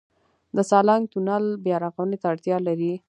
د سالنګ تونل بیارغونې ته اړتیا لري؟